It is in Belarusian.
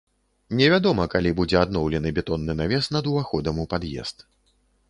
Невядома калі будзе адноўлены бетонны навес над уваходам у пад'езд.